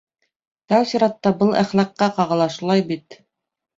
Тәү сиратта был әхлаҡҡа ҡағыла, шулай бит?